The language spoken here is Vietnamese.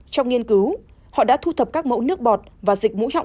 trong nghiên cứu họ đã thu thập các mẫu nước bọt và dịch mũi họng